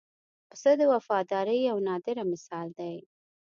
پسه د وفادارۍ یو نادره مثال دی.